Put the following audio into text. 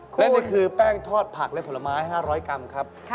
และนี่คือแป้งทอดผักและผลไม้๕๐๐กรัมครับ